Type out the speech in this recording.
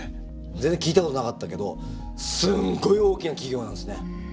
全然聞いたことなかったけどすんごい大きな企業なんですね。